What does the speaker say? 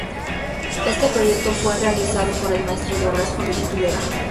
Este proyecto fue realizado por el maestro de obras Joaquim Rivera.